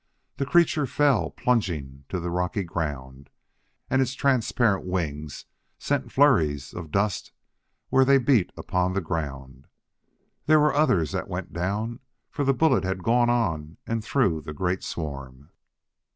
The creature fell plunging to the rocky ground, and its transparent wings sent flurries of dust where they beat upon the ground. There were others that went down, for the bullet had gone on and through the great swarm.